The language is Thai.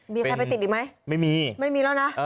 มีใครไปติดอีกไหมไม่มีไม่มีแล้วนะ